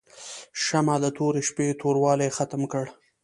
شمعه د تورې شپې توروالی ختم کړ.